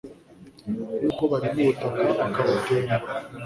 Nk’uko barima ubutaka bakabutengura